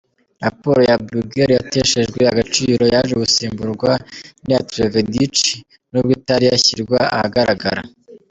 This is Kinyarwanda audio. Raporo ya Bruguiere yateshejwe agaciro, yaje gusimburwa n’iya Trevedic nubwo itari yashyirwa ahagaragara.